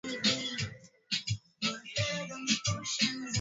Katika mahojiano ya Jumapili, Fadzayi Mahere, msemaji wa chama hicho